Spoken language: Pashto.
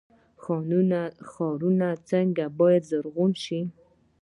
ښارونه باید څنګه زرغون شي؟